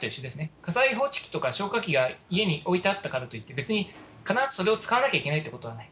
火災報知器とか消火器が家に置いてあったからといって別に必ずそれを使わなきゃいけないってことはない。